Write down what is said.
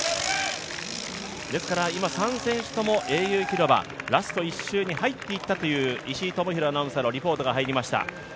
ですから、３選手とも英雄広場、ラスト１周に入っていったという石井大裕アナウンサーのリポートが入りました。